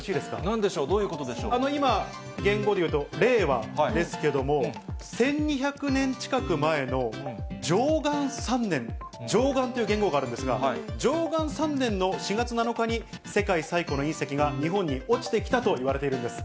なんでしょう、どういうこと今、元号でいうと令和ですけれども、１２００年近く前の貞観３年、貞観という元号があるんですが、貞観３年の４月７日に、世界最古の隕石が日本に落ちてきたといわれているんです。